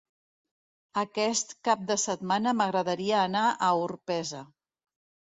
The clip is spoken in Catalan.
Aquest cap de setmana m'agradaria anar a Orpesa.